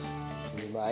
うまい！